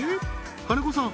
金子さん